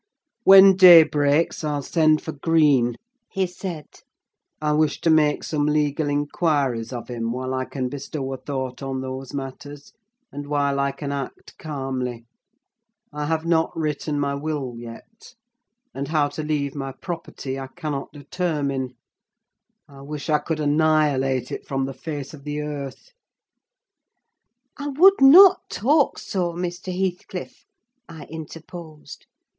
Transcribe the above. "When day breaks I'll send for Green," he said; "I wish to make some legal inquiries of him while I can bestow a thought on those matters, and while I can act calmly. I have not written my will yet; and how to leave my property I cannot determine. I wish I could annihilate it from the face of the earth." "I would not talk so, Mr. Heathcliff," I interposed.